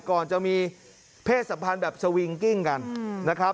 ก่อนจะมีเพศสัมพันธ์แบบสวิงกิ้งกันนะครับ